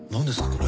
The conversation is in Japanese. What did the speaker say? これ。